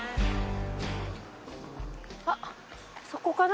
あっそこかな？